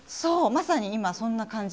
まさに今そんな感じ。